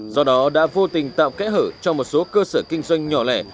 do đó đã vô tình tạo kẽ hở cho một số cơ sở kinh doanh nhỏ lẻ